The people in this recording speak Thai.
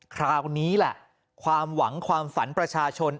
คราวนี้แหละความหวังความฝันประชาชน